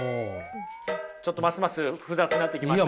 ちょっとますます複雑になってきました？